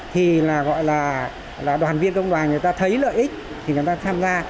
thì là gọi là đoàn viên công đoàn người ta thấy lợi ích thì người ta tham gia